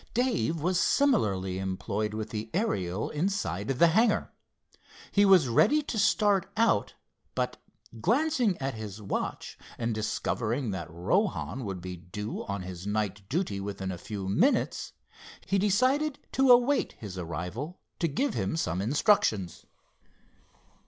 Dave was similarly employed with the Ariel, inside the hangar. He was ready to start out, but glancing at his watch and discovering that Rohan would be due on his night duty within a few minutes, he decided to await his arrival to give him some instructions.